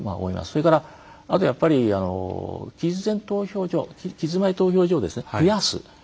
それからあとやっぱり期日前投票所を増やす。